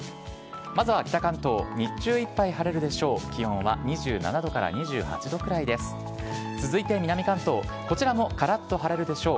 まずは北関東、日中いっぱい晴れるでしょう。